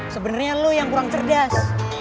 sebenarnya lo yang kurang cerdas